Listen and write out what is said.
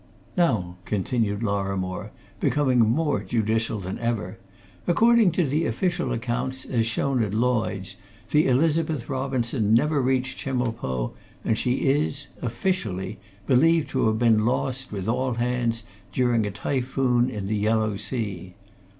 "Now," continued Lorrimore, becoming more judicial than ever, "according to the official accounts, as shown at Lloyds, the Elizabeth Robinson never reached Chemulpo, and she is officially believed to have been lost, with all hands, during a typhoon, in the Yellow Sea.